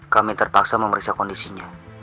kami terpaksa memeriksa kondisinya